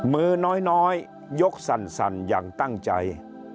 มือน้อยยกสั่นอย่างตั้งใจ